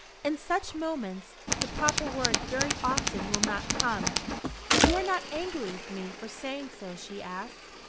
In such moments the proper word very often will not come. "You are not angry with me for saying so?" she asked.